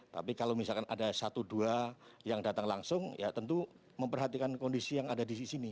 tapi kalau misalkan ada satu dua yang datang langsung ya tentu memperhatikan kondisi yang ada di sini